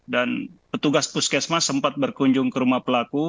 dan petugas puskesmas sempat berkunjung ke rumah pelaku